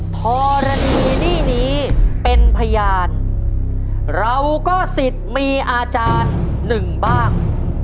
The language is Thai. กรณีหนี้นี้เป็นพยานเราก็สิทธิ์มีอาจารย์หนึ่งบ้าง